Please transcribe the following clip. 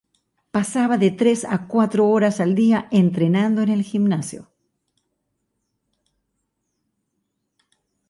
Pasaba de tres a cuatro horas al día entrenando en el gimnasio.